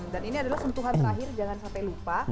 dan ini adalah sentuhan terakhir jangan sampai lupa